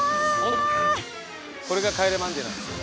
これが『帰れマンデー』なんですよ。